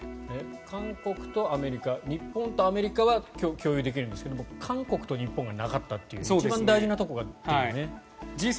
韓国とアメリカ日本とアメリカは共有できるんですが韓国と日本がなかった一番大事なところがって。